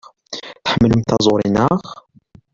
Tḥemmlem taẓuri, naɣ?